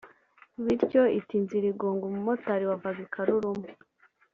bityo ita inzira igonga umumotari wavaga i Karuruma